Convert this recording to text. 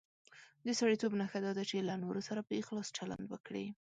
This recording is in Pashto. د سړیتوب نښه دا ده چې له نورو سره په اخلاص چلند وکړي.